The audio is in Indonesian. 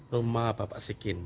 rumah bapak sikin